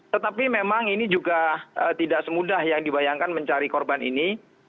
tetapi memang ini juga tidak semudah yang dibayangkan mencari korban ini